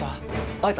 会えた？